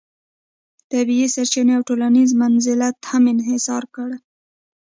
طبیعي سرچینې او ټولنیز منزلت هم انحصار کیږي.